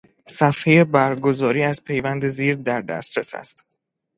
صفحهٔ برگزاری از پیوند زیر در دسترس است